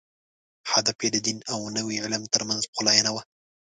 هدف یې د دین او نوي علم تر منځ پخلاینه وه.